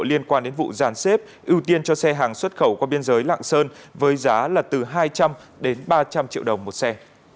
liên quan đến vụ giàn xếp ưu tiên cho xe hàng xuất khẩu qua biên giới lạng sơn với giá là từ hai trăm linh đến ba trăm linh triệu đồng một xe